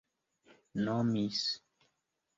nomis